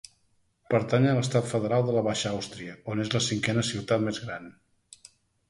Pertany a l'estat federal de la Baixa Àustria, on és la cinquena ciutat més gran.